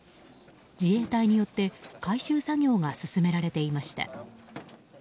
自衛隊によって、回収作業が進められていました。